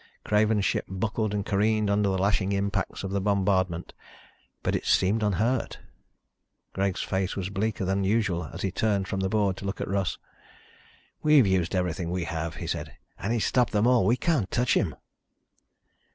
Craven's ship buckled and careened under the lashing impacts of the bombardment, but it seemed unhurt! Greg's face was bleaker than usual as he turned from the board to look at Russ. "We've used everything we have," he said, "and he's stopped them all. We can't touch him."